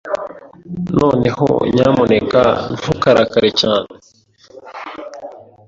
Noneho, nyamuneka ntukarakare cyane.